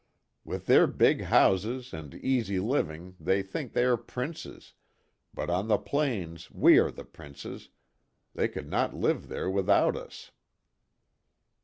" With their big houses and easy living they think they are princes, but on the plains we are the princes they could not live there without us."